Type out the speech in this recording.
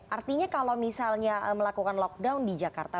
artinya kalau misalnya melakukan lockdown di jakarta